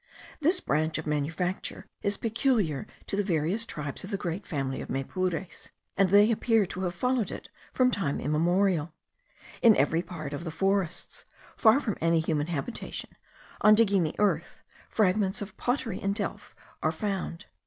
This branch of manufacture is peculiar to the various tribes of the great family of Maypures, and they appear to have followed it from time immemorial. In every part of the forests, far from any human habitation, on digging the earth, fragments of pottery and delf are found.